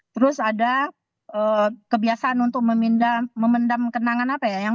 terus ada kebiasaan untuk memendam kenangan apa ya